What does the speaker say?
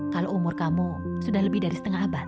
kalau umur kamu sudah lebih dari setengah abad